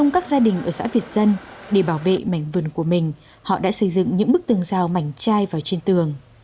các gia đình ở xã việt dân để bảo vệ mảnh vườn của mình họ đã xây dựng những bức tường rào mảnh chai vào trên tường